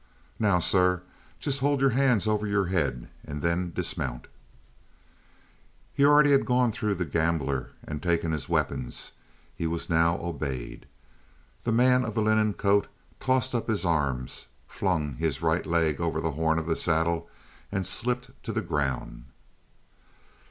Now, sir, just hold your hands over your head and then dismount." He had already gone through the gambler and taken his weapons; he was now obeyed. The man of the linen coat tossed up his arms, flung his right leg over the horn of the saddle, and slipped to the ground.